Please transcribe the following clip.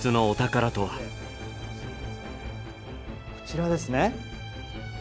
こちらですね。